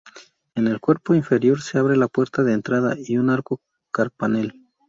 En el cuerpo inferior se abre la puerta de entrada, un arco carpanel.